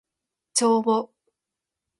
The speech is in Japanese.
帳簿